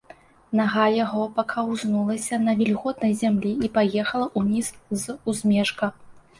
Нага яго пакаўзнулася на вільготнай зямлі і паехала ўніз з узмежка.